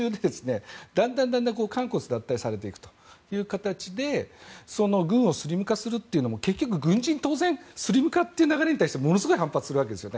だんだん換骨奪胎されていくという形で軍をスリム化するというのも結局、軍人は当然スリム化という流れに対してものすごい反発するわけです。